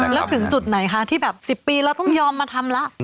แล้วถึงจุดไหนคะที่แบบ๑๐ปีเราต้องยอมมาทำละ